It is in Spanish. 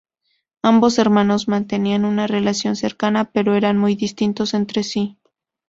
Ambos hermanos mantenían una relación cercana pero eran muy distintos entre sí.